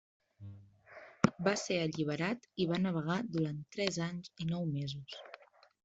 Va ser alliberat i va navegar durant tres anys i nou mesos.